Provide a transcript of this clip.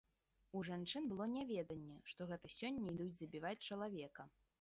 У жанчын было няведанне, што гэта сёння ідуць забіваць чалавека.